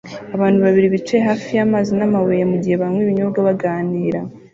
Abantu babiri bicaye hafi y'amazi n'amabuye mugihe banywa ibinyobwa baganira